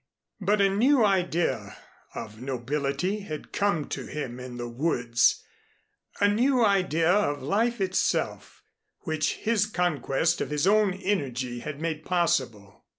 But a new idea of nobility had come to him in the woods, a new idea of life itself, which his conquest of his own energy had made possible.